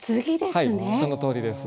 はいそのとおりです。